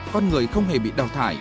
con người không hề bị đào thải